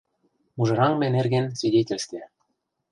— «Мужыраҥме нерген свидетельстве...